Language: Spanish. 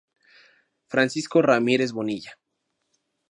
Francisco Ramírez Bonilla.